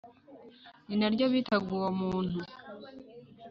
ari naryo bitaga uwo muntu